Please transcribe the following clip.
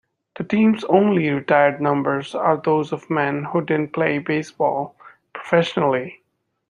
The team's only retired numbers are those of men who didn't play baseball professionally.